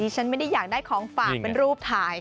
ฉันไม่ได้อยากได้ของฝากเป็นรูปถ่าย